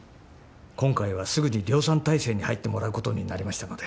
今回はすぐに量産態勢に入ってもらうことになりましたので。